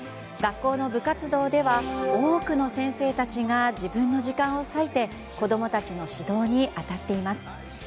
学校の部活動では多くの先生たちが自分の時間を割いて子供たちの指導に当たっています。